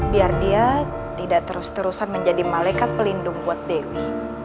biar dia tidak terus terusan menjadi malaikat pelindung buat dewi